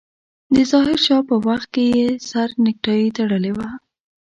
د ظاهر شاه په وخت کې يې سره نيکټايي تړلې وه.